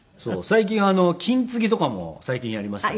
最近金継ぎとかも最近やりましたね。